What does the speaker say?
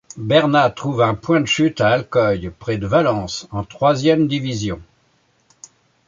Berna trouve un point de chute à Alcoy, près de Valence, en troisième division.